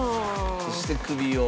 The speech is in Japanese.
そして首を。